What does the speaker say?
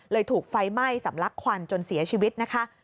เลยถูกไฟ้ไหม้สัมลักษณ์ควันจนเสียชีวิตนะคะ